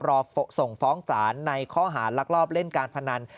รอส่งฟ้องศาลในข้อหารลักลอบเล่นการพนัน